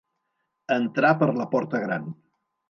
Entrar per la porta gran.